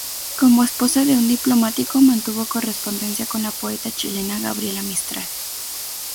Como esposa de un diplomático, mantuvo correspondencia con la poeta chilena Gabriela Mistral.